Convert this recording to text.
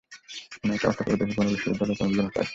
আমি কাগজটা পড়ে দেখি তার বিশ্ববিদ্যালয়ে কোনও বিবরণ পাই কি-না।